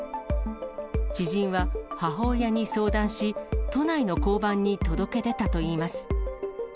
知人は母親に相談し、都内の交番に届け出たといいます。